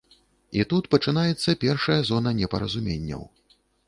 І тут пачынаецца першая зона непаразуменняў.